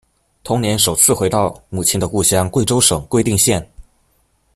同年首次回到母亲的故乡贵州省贵定县。